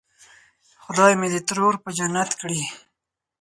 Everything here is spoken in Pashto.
خدای مې دې ترونه په جنت کړي.